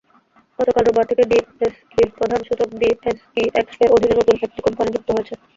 গতকাল রোববার থেকে ডিএসইর প্রধান সূচক ডিএসইএক্স-এর অধীনে নতুন একটি কোম্পানি যুক্ত হয়েছে।